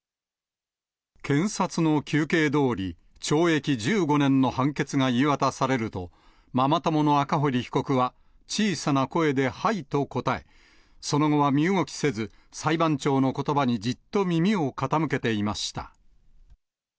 検察の求刑どおり、懲役１５年の判決が言い渡されると、ママ友の赤堀被告は、小さな声ではいと答え、その後は身動きせず、裁判長のことばにじっと耳を傾けていました。